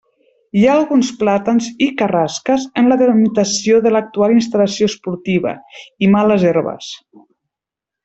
Hi ha alguns plàtans i carrasques en la delimitació de l'actual instal·lació esportiva, i males herbes.